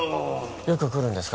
よく来るんですか